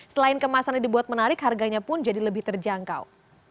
selain kemasannya dibuat menarik harganya pun jadi lebih terjangkau